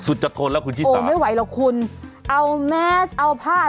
สุดจะทนแล้วคุณชิสาไม่ไหวหรอกคุณเอาแมสเอาผ้า